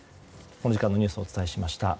この時間のニュースをお伝えしました。